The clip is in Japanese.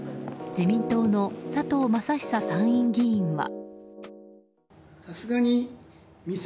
自民党の佐藤正久参院議員は。